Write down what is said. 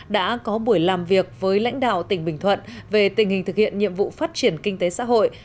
đã có buổi làm việc với lãnh đạo tỉnh bình thuận về tình hình thực hiện nhiệm vụ phát triển kinh tế xã hội